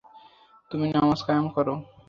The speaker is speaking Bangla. তুমি নামায কায়েম করবে।